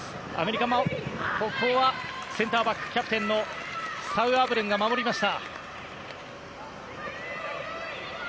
センターバック、キャプテンのサウアブルンが守りました。